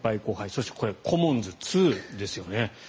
そしてこれ、コモンズ２ですよ。